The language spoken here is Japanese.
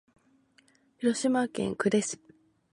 広島県呉市